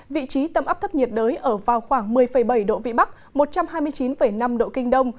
vị trí tâm áp thấp nhiệt đới ở vào khoảng một mươi bảy độ vĩ bắc một trăm hai mươi chín năm độ kinh đông